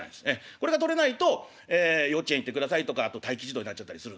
これが取れないと幼稚園行ってくださいとか待機児童になっちゃったりするんですね。